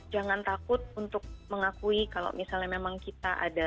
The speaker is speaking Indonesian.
jangan takut untuk mengakui kalau misalnya memang kita ada